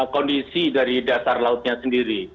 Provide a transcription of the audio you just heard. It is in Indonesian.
kondisi dari dasar lautnya sendiri